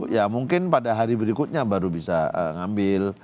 ya mungkin pada hari berikutnya baru bisa ngambil